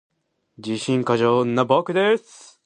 自信過剰